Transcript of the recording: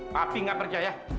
papi gak percaya